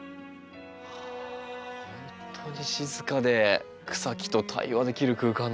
本当に静かで草木と対話できる空間ですね。